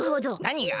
何が？